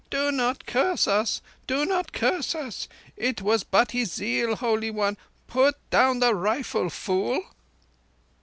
"Do not curse us—do not curse him. It was but his zeal, Holy One! ... Put down the rifle, fool!"